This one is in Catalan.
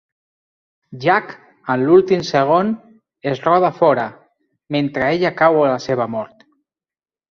Jack, en l'últim segon, es roda fora, mentre ella cau a la seva mort.